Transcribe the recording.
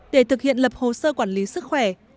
để thực hiện lập hồ sơ quản lý sức khỏe